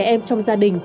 trẻ em trong gia đình